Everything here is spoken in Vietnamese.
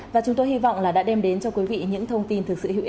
và chúng tôi hy vọng là đã đem đến cho quý vị một số thông tin